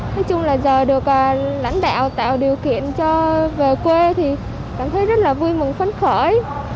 nói chung là giờ được lãnh đạo tạo điều kiện cho về quê thì cảm thấy rất là vui mừng phấn khởi